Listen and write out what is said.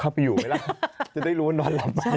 เอาไปอยู่ไหมละจะได้รู้นอนหลับไหม